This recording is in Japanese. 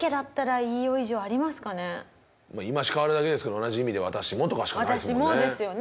言い回し変わるだけですけど同じ意味で「私も」とかしかないですもんね。